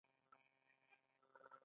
آیا پښتون یو تاریخ جوړونکی قوم نه دی؟